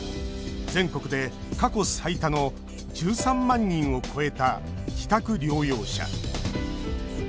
全国で過去最多の１３万人を超えた自宅療養者。